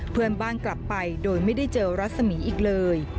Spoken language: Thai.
เพื่อนบ้านกลับไปโดยไม่ได้เจอรัศมีอีกเลย